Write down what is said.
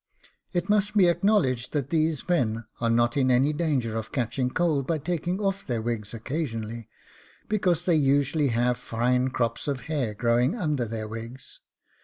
It must be acknowledged that these men are not in any danger of catching cold by taking off their wigs occasionally, because they usually have fine crops of hair growing under their wigs.